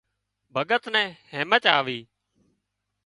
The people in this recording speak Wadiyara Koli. ڀڳت نين هيمچ آوي